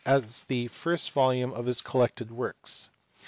as the first volume of his collected works.